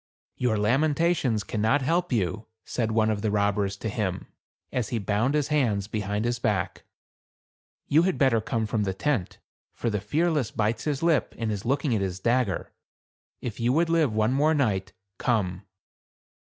"Your lamentations cannot help you," said one of the robbers to him, as he bound his hands behind his back. "You had better come from the tent ; for the Fearless bites his lip, and is looking at his dagger. If you would live one more night, come."